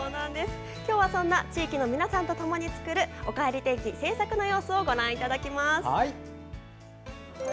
今日はそんな地域の皆さんとともに作る「おかえり天気」制作の様子をご覧いただきます。